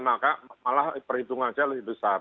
maka malah perhitungan saya lebih besar